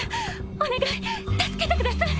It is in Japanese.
お願い助けてください。